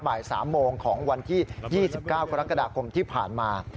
บ่าย๓โมงของวันที่๒๙กรกฎาคมที่ผ่านมา